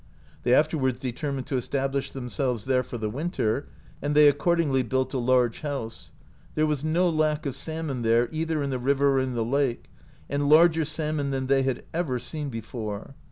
They afterwards determined to establish themselves there for the winter, and they accordingly built a large house. There was no lack of salmon there either in the river or in the lake, and larger salmon than they had ever seen before.